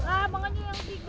ah makanya yang tiga